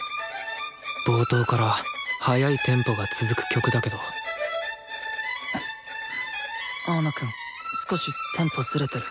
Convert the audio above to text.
冒頭から速いテンポが続く曲だけど青野くん少しテンポズレてる。